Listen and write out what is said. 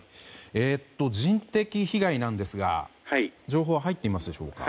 人的被害なんですが情報は入っていますか？